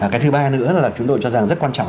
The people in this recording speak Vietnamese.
cái thứ ba nữa là chúng tôi cho rằng rất quan trọng